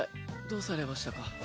どうされましたか？